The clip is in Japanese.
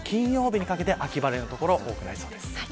金曜日にかけて秋晴れの所が多くなりそうです。